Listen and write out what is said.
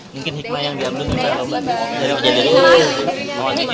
mungkin hikmah yang dianggap itu banyak sih